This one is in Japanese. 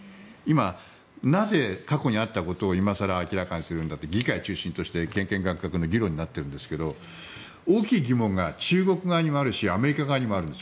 なぜ過去にあったことを今更明らかにするんだって議会中心として喧喧諤諤議論になっているんですが大きい疑問が中国側にもあるしアメリカ側にもあるんです。